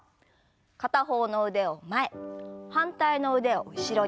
片方の腕を前反対の腕を後ろに。